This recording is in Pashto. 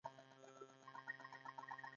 د ژبې پرمختګ یوازې په ګډ کار کېږي.